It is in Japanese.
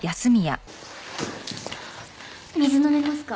水飲めますか？